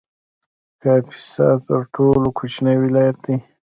کاپیسا تر ټولو کوچنی ولایت دی